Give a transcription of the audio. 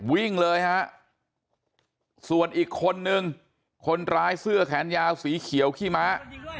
วิ่งเลยฮะส่วนอีกคนนึงคนร้ายเสื้อแขนยาวสีเขียวขี้ม้า